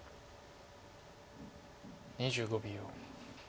２５秒。